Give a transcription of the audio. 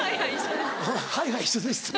はいはい一緒ですね。